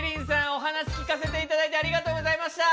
お話聞かせていただいてありがとうございました。